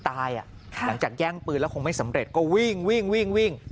หลังจากแย่งปืนแล้วคงไม่สำเร็จก็วิ่งวิ่งวิ่ง